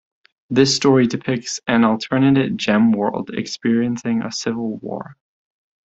This story depicts an alternate Gemworld experiencing a civil war.